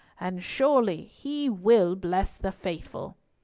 And surely He will bless the faithful."